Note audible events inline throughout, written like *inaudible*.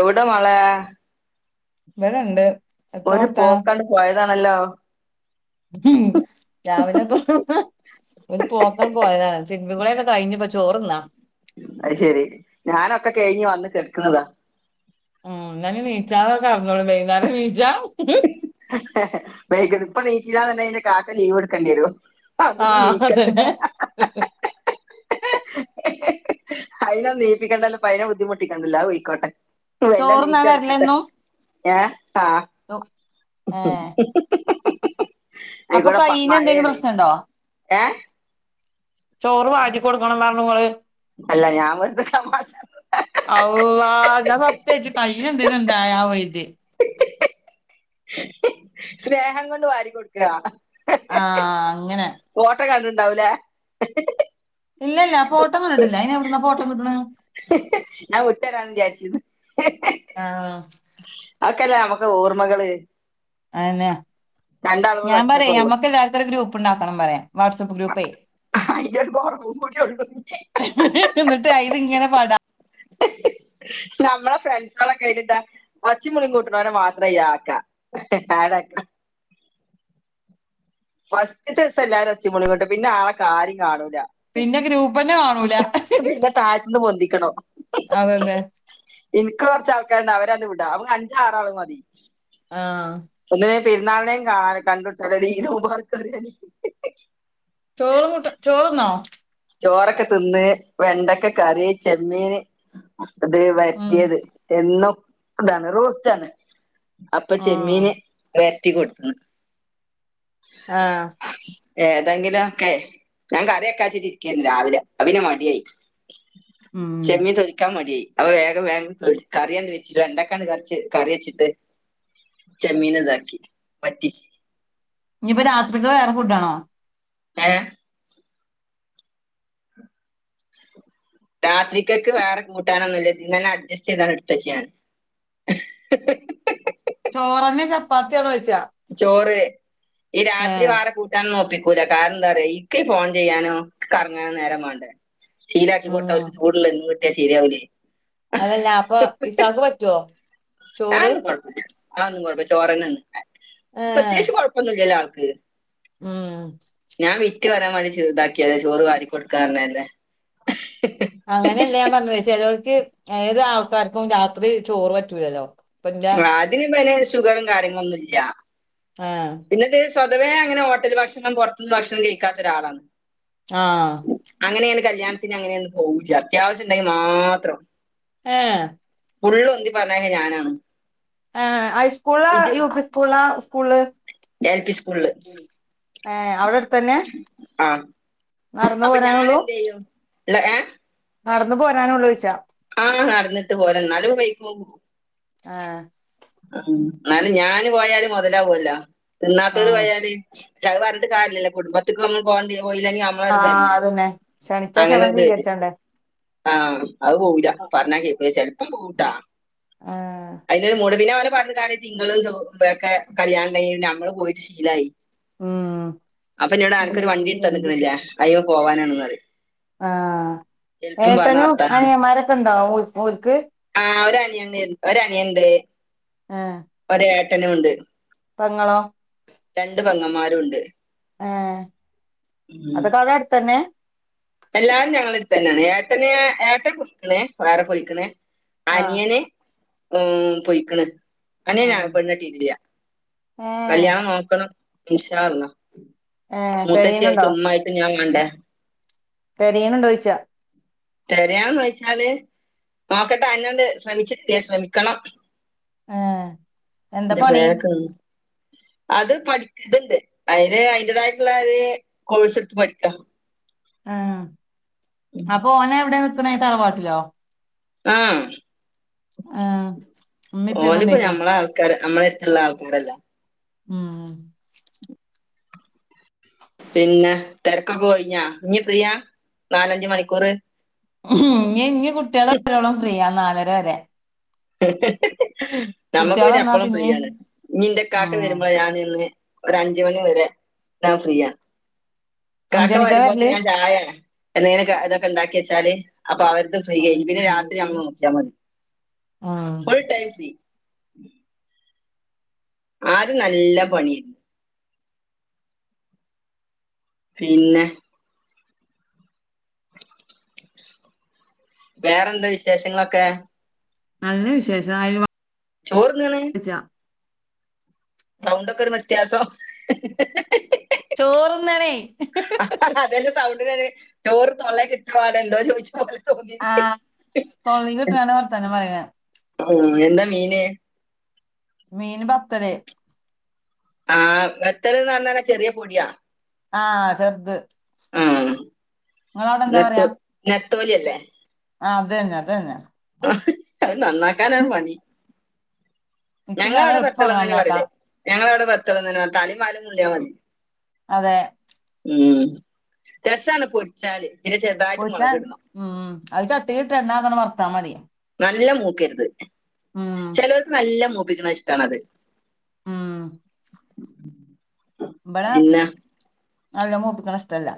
എവിടൊ മളെ വടെണ്ട് ഒരു പോക്കണ്ട് പോയതാണല്ലോ ഉം രാവിലെപ്പ ഒരു പോക്കൻ പോയതാണ് തിരുമ്പികുളിയൊക്കെ കഴിഞ്ഞിപ്പോ ചോറ്ന്നാ അയ്ശെരി ഞാനൊക്കെ കഴിഞ്ഞ് വന്ന് കിടക്കുന്നതാ ഉം എന്ന നീച്ചാത കടന്നോളി വൈന്നേരം നീച്ചാ ങാഹ ഇപ്പ നീച്ചിലാന്ന്ണ്ടെങ്കിൽ കാക്ക ലീവ്ടുക്കേണ്ടിരും ആഹ് അതന്നെ അയിനെ നീയിപ്പിക്കണ്ടല്ല പ അയ് നെ ബുദ്ധിമുട്ടിക്കണ്ടല്ലോ പൊയ്ക്കോട്ടെ വല്ല ചോറ്ന്നാൻ നീചടക്കട്ടെ വരലെന്നും ഏഹ് ആഹ് ഏഹ് അപ്പൊ ആയിക്കൂടെ പ കയ്യിന് എന്തെങ്കിലും മഴയാണ് പ്രശ്നുണ്ടോ ഏ ചോറ് വാരി കൊടുക്കണം പറഞ്ഞു ഇങ്ങള് അല്ല ഞാൻ വെറുതെ തമാശ *unintelligible* ഓ അള്ളാ സത്യായിട്ടു കയ്യ് എന്തെങ്കിലും ആയോ സ്നേഹം കൊണ്ട് വാരി കൊടുക്ക ആഹ് അങ്ങനെ ഓട്ടക്കണ്ട് ണ്ടാവൂലേ ഇല്ല ഇല്ല ഫോട്ടം കണ്ടിട്ടില്ല അയിന് എവിടുന്നാ ഫോട്ടോ കിട്ടണ് ഞാൻ വിട്ടര വിചാരിച്ചിനൂ ആഹ് അതൊക്കല്ലേ നമ്മുക്ക് ഓർമ്മകള് അതെന്നെ രണ്ടാളും കൂടെ ഞാൻ പറയാ ഒറ്റക്കൊള്ളു മ്മക്ക് എല്ലാർക്കും ഒരു ഗ്രൂപ്പ് ഉണ്ടാക്കണം പറയാ വാട്സആപ്പ് ഗ്രൂപ്പേ *unintelligible* ഒള്ളു ഇഞ്ഞ് എന്നിട്ട് അതിങ്ങനെ പാടാം നമ്മളെ ഫ്രണ്ട്സോക്കെ കഴിഞ്ഞിട്ടാ ഒച്ചിമുളി കൂട്ടണവരെ മാത്രേ അയില് ആക്ക ആടാക്ക ഫസ്റ്റ് ദിവസം എല്ലാവരെ ഒച്ചയും ബഹളവും കേട്ട് പിന്നെ ആളൊര്യം കാണൂല പിന്നെ ഗ്രൂപ്പ്ന്നെ കാണൂല പിന്നെ താഴത്തന്ന് പൊന്തിക്കണോ അതല്ലേ എനിക്ക് കൊറച്ച് ആൾക്കാരുണ്ട് അവരാണ്ട് വിടാ അവ അഞ്ച് ആറാള് മതി ആഹ് ഒന്നില്ലേലും പെരുന്നാളിനേും കാ കണ്ടോട്ടല്ലടീ ഈദ് മുബാറക് ചോറും മുട്ട ചോറന്നോ ചോറൊക്കെ തിന്ന് വെണ്ടക്കെ കറി ചെമ്മീൻ അത് ഉം വരത്തിയത് എന്നും ഇതാണ് റോസ്റ്റാണ് അപ്പൊ ഉം ചെമ്മീന് വരറ്റി കൊടുത്തന്ന് ആഹ് ഏതെങ്കിലുക്കെ ഞാൻ കറിയൊക്കെച്ചിട്ട ഇരിക്കന്ന് രാവിലെ അപ്പൊ പിന്നെ മടിയായി ഉം ചമ്മിൻ തൊലിക്കാൻ മടിയാ അപ്പം വേഗം വേഗം കറിയ എന്ത വെച്ചിട്ട് വെണ്ടക്കാണ്ട് പറിച്ച് കറി വെച്ചിട്ട് ചമ്മീന് ഇതാക്കി പറ്റിച്ച് ഇനിയിപ്പോ രാത്രിക്ക് വേറെ ഫുഡ് ആണോ ഏഹ് രാത്രിക്കൊക്ക് വേറെ കൂട്ടാനൊന്നുല്ല ഇന്നെ അഡ്ജസ്റ്റ് ചെയ്താണ് എടുത്തുച്ച് ഞാൻ *inaudible* ചോറന്നെ ചപ്പാത്തി ആണോയ്ച്ചാ ചോറ് ഈ രാത്രി വാറെ കൂട്ട ഞാൻ നോപ്പിക്കൂല കാരണം എന്താ പറയാ ഇൻക്ക് ഫോൺ ചെയ്യാനും കറങ്ങാനും നേരം വേണ്ടേ ശീലാക്കി കൊടുത്ത ഉം അവര് ചൂടുള്ളത് കിട്ടിയ ശീരയാവില്ലേ അതല്ല അപ്പൊ ഇക്കാക്ക് പറ്റുവോ ചോറ് അതൊന്ന് കുഴപ്പുല്ല ആതോന്നും കുഴപ്പല്ല ചോറെന്ന് ഏ പ്രത്യേകിച്ച് കൊഴപ്പൊന്നുമില്ലല്ലോ ആൾക്ക് ഉം ഞാൻ വിറ്റ് വരാൻ വേണ്ടി ഇതാക്കിയല്ലെ ചോറ് വാരി കൊടുക്കാറനല്ലേ അങ്ങനെയല്ലേ പറഞ്ഞത് ചിലർക്ക് ഏത് ആൾക്കാർക്കും രാത്രി ചോറ് പറ്റൂലല്ലോ ഇപ്പൊ എന്റെ ആദ്യം അതിന് പിന്നെ ഷുഗറും കാര്യങ്ങളൊന്നുല്ല ആഹ് പിന്നത് സ്വതവേ അങ്ങനെ ഹോട്ടല് ഭക്ഷണം പുറത്തുന്ന് ഭക്ഷണം കഴിക്കാത്ത ഒരാളാണ് ആഹ് അങ്ങനെയന്ന് കല്യാണത്തിന് അങ്ങനെയൊന്നും പോകില്ല അത്യാവശ്യം ഉണ്ടെങ്കിൽ മാത്രം ഏഹ് ഫുള്ള് ഉന്തി പറഞ്ഞയക്കല് ഞാനാണ് ആഹ് ഹൈസ്കൂളാ ഇത് യു പി സ്കൂളാ സ്കൂള് എൽ പി സ്കൂളില് ഏഹ് അവിടെ അടുത്തന്നെ ആഹ് നടന്നു അപ്പൊ ഞാൻ പോരാനുള്ളൂ എന്ത് ചെയ്യും ഏഹ് നടന്ന് പോരാനള്ളു പോയ്ച്ചാ ആഹ് നടന്നിട്ട് പോര എന്നാലും വൈക്കുമ്പ പോകും ആഹ് ഉം എന്നാലും ഞാന് പോയാല് മുതലാവൂല്ല തിന്നാത്തര് ആഹ് പോയാല് ച അത് പറഞ്ഞട്ട കര്യാല്ലല്ലോ കുടുംബത്തിക്ക് നമ്മള് പോണ്ട് പോയില്ലങ്കി ആഹ് അതന്നെ ക്ഷണിച്ചാ ക്ഷണം സീകരിച്ചണ്ടേ ആം അത് പോവുല പറഞ്ഞാ കേക്കുല ചെലപ്പം പോവുട്ടാ ആഹ് അതിലൊരു മുടിവില് പിന്നെ അവന് പറഞ്ഞ കാര്യം തിങ്കളും ചൊ ഒക്കെ കല്യാണം ണ്ടെങ്കിക്കെ നമ്മള് പോയിട്ട് ശീലായി ഉം അപ്പൊ നി വിടെ അനക്കൊരു വണ്ടി എടുത്ത് തന്നിരിന്നില്ലെ അയിമേ പോവാനാണന്ന് പറയും ആഹ് എളുപ്പം പറഞ്ഞ ഏട്ടനും വർത്താനാണ് അനിയൻ മാരൊക്കെ ഉണ്ടാവുമോ ഓൾക്ക് ആഹ് ഒരു അനിയുണ്ട് ഒരു അനിയുണ്ട് ആഹ് ഒര് ഏട്ടനും ഉണ്ട് പെങ്ങളോ രണ്ട് പെങ്ങന്മാരും ഉണ്ട് ആഹാ ഉം അത് കൊറെ അടുത്തന്നെ എല്ലാരും ഞങ്ങളുടെ അടുത്ത് തന്നെയാണ് ഏട്ടന് ഏട്ടൻ *unintelligible* വേറെ *unintelligible* ആഹ് അനിയന് ഉം പോയിക്കണ് അനിയൻ ആഹ് നാരും പെണ്ണ് കെട്ടിയിട്ടില്ല ഏഹ് കല്യാണം നോക്കണം ഇൻശാ അള്ളാ ഉം ഏഹ് മുത്തശ്ശി തെരയുന്നുണ്ടോ ആയിട്ടും ഉമ്മ ആയിട്ടും ഞാൻ വേണ്ട തെരിയിന്ന് ഉണ്ടോയ്ച്ചാ തെരയാന്ന് വെയിച്ചാല് നോക്കട്ടെ അന്നോന്ന് ശ്രമിച്ച്ട്ടല്ല ശ്രമിക്കണം ഏഹ് എന്താ നിന്റെ പണി ബാക്ക്‌ന്ന് അത് പഠിക്ക ഇതുണ്ട് അതിന് അതിന്റേതായിട്ടുള്ള ഒരു കോഴ്സ് എടുത്ത് പഠിക്കാം ആഹാ ഉം. അപ്പൊ ഓനെ എവിടെ നിർത്തണെ തറവാട്ടിലോ ആം ആഹ് ഉമ്മേം ഉപ്പേക്കെ ഓന് ഇപ്പോ ഇണ്ടേക്കും ഞമ്മളെ ആൾക്കാര് നമ്മളെ അടുത്തുള്ള ആൾക്കാരല്ലെ ഉം പിന്നെ തിരക്കൊക്കെ ഒഴിഞ്ഞാ ഇനി ഫ്രീയാ നാലഞ്ച് മണിക്കൂറ് ഇനി ഇനി കുട്ടികളെ വരോളം ഫ്രീയ നാലര വരെ നമ്മുക്ക് കുട്ട്യാള് പിന്നെ വന്നാ എപ്പളും പിന്നിം ഫ്രീയാണ് ഇനി എന്റെ ഇക്കാക്ക ആഹ് വരുമ്പോള് ഞാൻ നിന്ന് ഒര് അഞ്ച് മണിവരെ ഞാൻ ഫ്രീയ ഇക്കാക്ക അഞ്ചണിക്കാ വരല് വരുമ്പോഴത്തേനും ഞാൻ ചായ എന്തെലും ഇതൊക്കെ ഉണ്ടാക്കി വെച്ചാല് അപ്പൊ ആ ഒരുത് ഫ്രീയായി പിന്നെ രാത്രി നമ്മള് നോക്കിയാൽ മതി ആഹ് ഫുൾ ടൈം ഫ്രീ ആദ്യം നല്ല പണിയും പിന്നെ *inaudible* വേറെന്താ വിശേഷങ്ങളൊക്കെ നല്ല വിശേഷം ആയും ചോറ്തിന്നോണ് ഇജ സൗണ്ടക്കെ ഒരു വ്യതാസം ചോറ് തിന്നാണേ അതല്ലെ സൗണ്ട് വേറെ ചോറ് തൊള്ളെക്ക് ഇട്ടപാടെ എന്തോ ചോയ്ച്ചു ആഹ് തൊള്ളിക്ക് ഇട്ടാണ് വർത്തനം പറിണ് ഉം എന്താ മീന് മീന് ബത്തല് ആഹ് ബത്തല്ന്ന് പറഞ്ഞല് ചെറിയ പൊടിയാ ആഹ് ചെറ്ത് ഉം നിങ്ങളടെ എന്താ നെത്തോ പറയാ നെത്തോലിയല്ലേ ആഹ് അത് തന്നെ അത് തന്നെ അത് നന്നാക്കാനാണ് പണി ഞങ്ങള് ഇച്ചിന്നാള് അവിടെ എളുപ്പാണ് ബത്തലന്നൂല്യ പറയല് നന്നാക്കാൻ ഞങ്ങള അവിടെ ബത്തലന്നുല്യ തലിം വാലും നുള്ളിയാൽ മതി അതെ ഉം രസാണ് പൊരിച്ചാല് പിന്നെ ചെറുതായിട്ട് മുളക് പൊരിച്ചാൻ ഇടണം ഉം അത് ചട്ടി ഇിട്ട് എണെ ങ്ങനെ വർത്താമതി നല്ല മൂക്കരുത് ചിലവർക്ക് നല്ല മൂപ്പിക്കണത് ഇഷ്ടണത് ആഹ് ഉം ഇബടെ നല്ല മൂപ്പിക്കണഷ്ടല്ല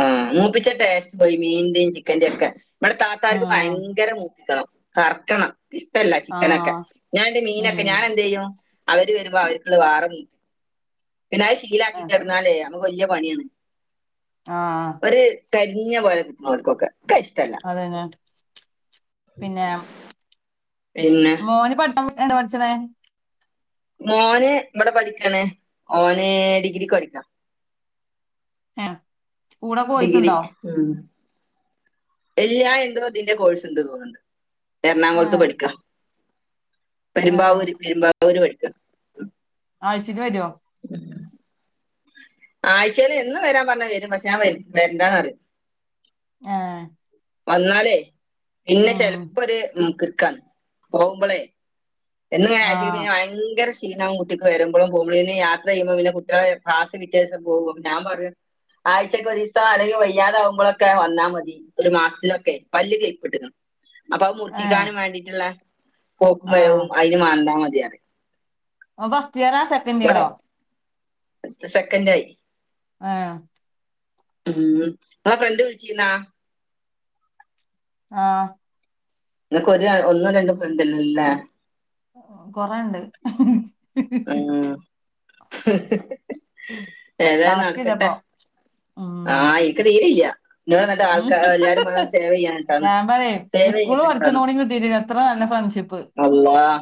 ആഹ് മൂപ്പിച്ച ടേസ്റ്റ് പോയി മീനിന്റെയും ഈ ചിക്കന്റെയും ഒക്കെ ബടെ താത്താർക്ക് ഉം ഭയങ്കര മൂപ്പിക്കണം കറ്ക്കണം ഇഷ്ടല്ല ചിക്കനൊക്കെ ആഹ് ഞാന എന്റെ മീനൊക്കെ ഉം ഞാൻ എന്ത് ചെയ്യും അവര് വരുമ്പോ അവർക്കുള്ള വാറപോര്ക്കും പിന്നത് ശീലാക്കി കെട്ന്നാലേയ് നമ്മക്ക് വലിയ പണിയാണ് ആഹ് ഒരു കരിഞ്ഞ പോലെ കിട്ടണം അവർക്കൊക്കെ ഒക്കെ ഇഷ്ടല്ല അതന്നെ പിന്നെ പിന്നെ ഓന് പടിച്ചാബുട് എന്താ പട്ച്ച്ണ് മോന് ഇബടെ പഠിക്കണ് മോന് ഡിഗ്രിക്ക് പഠിക്ക ആഹ് ഡിഗ്രി എല്ലാ എന്തോ തിന്റെ കോഴ്സ്ണ്ട് തോന്ന്ണ്ട് എറണാകുളത്ത് ഏഹ് പഠിക്കാ ഏഹ് പെരുമ്പാവൂര് പെരുമ്പാവൂര് പഠിക്ക അയ്ച്ചില് വരോ ഉം *inaudible* ആഴ്ച്ചെല് എന്നും വരാൻ പറഞ്ഞ വരും പക്ഷെ ഞാൻ വരണ്ടന്ന് പറിം ആഹ് വന്നാലേ പിന്നെ ചെിലപ്പോര് മൂക്ക്ർക്കാണ് പോകുമ്പളെയ് എന്നുങ്ങനെ അയച്ചക്ക് ആഹ് പീഞ്ഞാ ഭയങ്കര ഷീണവും കുട്ടിക്ക് കുട്ടിക്ക് വരുമ്പളും പോകുമ്പളും പിന്നെ യാത്ര ചെയ്യുമ്പോ പിന്നെ കുട്ടിയാളെ ക്ലാസ്സ്‌ പിറ്റേസം പോകും ഞാൻ പറിം ആഴ്ച്ചക്ക് ഒരീസോ അല്ലെങ്കി വയ്യാതാവുമ്പളൊക്കെ വന്നാ മതി ഒരു മാസത്തിലൊക്കെയ് പല്ല് ക്ളിപ്പ്ട്ട്ക്ക്ണ് അപ്പൊ അഹ് ഏഹ് മുറക്കിക്കാനും വേണ്ടിട്ടുള്ള പോക്കും ആഹ് വരവും അയ്ൻ മണ്ടാൽ മതിയറിം ഓൻ ഫസ്റ്റ് ഇയറ സെക്കൻ് ഇവിടെ ഇയറോ സെക്കൻഡ് ആയി ആഹ് ഉം ഇങ്ങള ഫ്രണ്ട് വിളിച്ചിന്നാ ആഹ് നിങ്ങക്ക്ഒരു ഒന്നും രണ്ടും ഫ്രണ്ടല്ലല്ലേ ലെ കൊറണ്ട് ഉം ഏതാലും നടക്കട്ടെ കണക്കില്ലപ്പൊ ഉം ആഹ് ഇക്ക് തീരല്ല നിഞടെ നട്ട് ആൾക്കാർ എല്ലാരും ഉം. മം സേവ ചെയ്യാനിട്ടാന്ന് ഞാൻ സേവ ചെയ്യക്കാനിട്ടന്ന് ഇത്ര നല്ല ഫ്രണ്ട്ഷിപ്പ് അല്ലാഹ്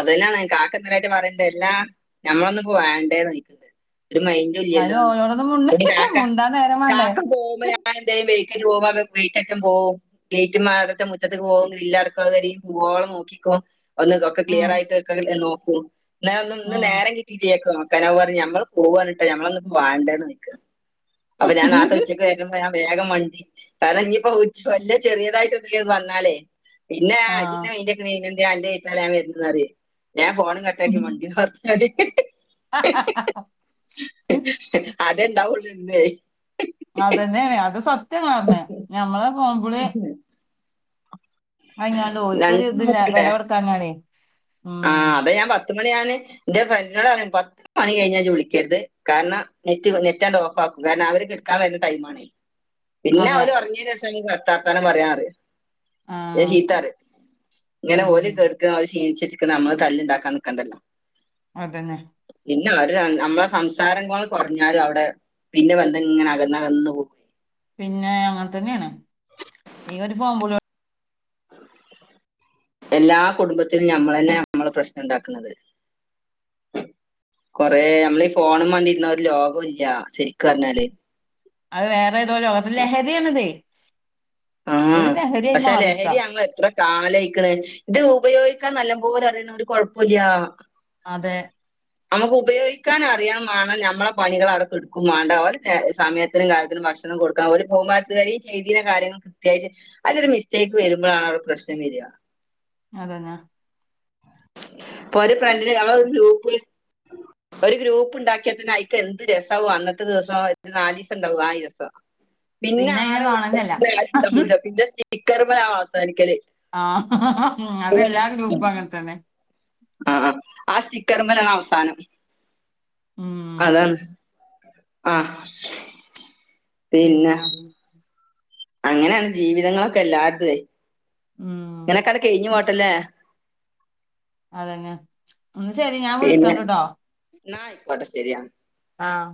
അതനെയാണ് കാക്ക എന്തലായിട്ട് പറയണ്ട് എല്ലാ നമ്മളൊന്നും പോ വേണ്ടേ നോയിക്കണ്ട് അതിന് ല്ലോന്ന് ഓരോടൊന്നും മുണ്ട ഒര് കാക്ക മുണ്ടാൻ നേരം വേണ്ടേ കാക്ക പോമ്പോ *unintelligible* വെറ്റക്ക പോവോ ഗേറ്റ് മാടത്തെ മുറ്റത്ത് പോക ഗ്രിലടക്കും പോവോളം നോക്കിക്കോ ഒന്ന് ഉം, ക്ലിയർ ആയിട്ട് നോക്കൂ എന്ന ഒ ഇന്ന് ഉം. നേരം കിട്ട ീരിയാക്ക നോക്കന പറ ഞമ്മ പോകാനിട്ടാഞമ്മളന്ന വാണ്ടെന്ന് ചോയ്ക്ക അപ്പൊ ഞാൻ നാർത്തെ ഉച്ചക്ക ഞാൻ വേഗം വണ്ടി കാര ഇഞ്ഞിപ്പോ വലിയ ചെറിയതായിട്ട് എ വന്നാലേ പിന്നെ ആ അതി മക്ക അന്റെ കയ്ത്ത ൻ വരുന്നറിയ ഞാൻ ഫോൺ കട്ടാക്കി വണ്ടി ർത്തടി *inaudible* അതണ്ടാവള്ളന്ത അതന്നെയ അത് സത്യം ങ്ങൾ പറഞ്ഞ ഞമ്മള് പോൻകളി അയ്ഞണ്ട് ഓൽക്ക് ഒര് രണ്ടും ഇതില്ല വില കൊടുക്കാഞ്ഞാലേ ഉം ആഹ് അതെ ഞാൻ പത്തുമണിയാണ് എന്റെ *unintelligible* പണി കഴിഞ്ഞാ ജ വിളിക്കരുത് കാരണം നെറ്റ് നെറ്റാണ്ട് ഓഫ് ആക്കും കാരണം അവർക്ക് എടുക്കാൻ വരുന്ന ടൈമാണ് *inaudible* പിന്നെ അവര് ഒറങ്യെന്റെ രസംനിത്താർത്താനും പറയാൻറിയ ആ ഞാൻ ചീത്താറ് ഇങ്ങനെ ഓര ഉം കേക്ക അവത് ക്ഷീണിച്ചിട്ട നമ്മള് തല്ലണ്ടാക്കാൻ നക്കണ്ടല്ലോ അതന്നെ പിന്നെ ഒരു നമ്മളെ സംസാരങ്ങൾ കുറഞ്ഞാലും അവിടെ പിന്നെ വന്ത ഇങ്ങനെ അകന്നകന്നു പോ പിന്നെ അങ്ങനെ തന്നെയാണ് ഈ ഒരു ഫോണ് വിളി എല്ലാ കുടുംബത്തിനും ഞമ്മളന്നെ നമ്മളെ പ്രശ്നം ഉണ്ടാക്കണത് കൊറേ നമ്മളീ ഫോണും വേണ്ടിരുന്ന ഒരു ലോകം ഇല്ല ശരിക്കും പറഞ്ഞാല് അത് വേറെ ഏതോലുംോകത്തി ലഹരിയാണ അതേ ആഹ് പക്ഷേ ലഹരി മാറിയേക്കാം അമ്മ എത്ര കാലഴിക്കണ ഇത് ഉപയോഗിക്കാൻ നല്ല പോലെ അറിയണം ഒരു കൊഴപ്പല്ല അതെ നമുക്ക് ഉപയോഗിക്കാനും അറിയാൻ വേണം നമ്മളെ പണികൾ അവിടെക്കഡ്ക്കും വേണ്ട അവർ സമയത്ത് ഇത്തരും കാലത്തിനും ഭക്ഷണം കൊടുക്ക ഒരു ബഹുമാനത്തുകാെയയും ചെയ്ീന് കാര്യങ്ങൾ കൃത്യായിട്ട് അയ്തൊരു മിസ്റ്റേക്ക് വരുമ്പോഴാണ് അവിടെ പ്രശ്നം വര അതന്നാ ഇപ്പൊ ഒരു ഫ്രണ്ടിന് നമ്മളെ ഗ്രൂപ്പ് ഒരു ഗ്രൂപ്പ് ഉണ്ടാക്കിയതിന് അയിക്ക എന്ത് രസവും അന്നത്തെ ദിവസം എ നാല് ദിവസം ഉണ്ടാവും ആ രസം *inaudible* പിന്നെ ആള അതിനെ കാണുന്നില്ല പ പൂജ പിന്നെ സ്റ്റിക്കർ അവസാനിക്കല് ആഹ് അതെല്ലാ ഗ്രൂപ്പും അങ്ങനെ തന്നെ ആഹ ആസ്റ്റിക്കർമേലാണ് അവസാനം ഉം അതാണ് ആഹ് പിന്നാ അങ്ങനെയാണ് ജീവിതങ്ങളൊക്കെ എല്ലാരടതെ ഉം ഇങ്ങനൊക്കാണ്ട് കഴിഞ്ഞ് പോട്ടല്ലേ അതന്നെ ഒന്ന് ശെരി ഞാൻ പിന്നെ വിളിച്ചോണ്ട്ട്ടൊ എന്നാ ആയിക്കോട്ടെ ശരിയാ ആഹ്